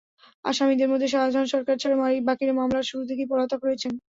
আসামিদের মধ্যে শাহজাহান সরকার ছাড়া বাকিরা মামলার শুরু থেকেই পলাতক রয়েছেন।